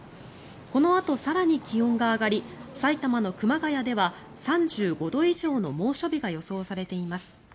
このあと更に気温が上がり埼玉の熊谷では３５度以上の猛暑日が予想されています。